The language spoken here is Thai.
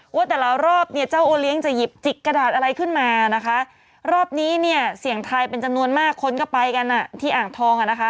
ว่าแต่ละรอบเนี่ยเจ้าโอเลี้ยงจะหยิบจิกกระดาษอะไรขึ้นมานะคะรอบนี้เนี่ยเสี่ยงทายเป็นจำนวนมากคนก็ไปกันอ่ะที่อ่างทองอ่ะนะคะ